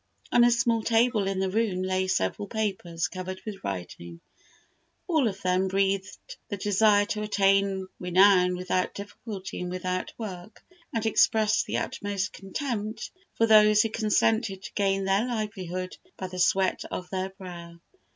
On a small table in the room lay several papers covered with writing; all of them breathed the desire to attain renown without difficulty and without work, and expressed the utmost contempt for those who consented to gain their livelihood by the sweat of their brow.